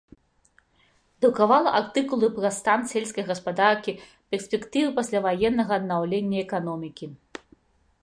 Друкавала артыкулы пра стан сельскай гаспадаркі, перспектывы пасляваеннага аднаўлення эканомікі.